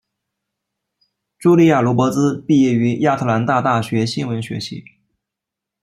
茱莉亚罗勃兹毕业于亚特兰大大学新闻学系。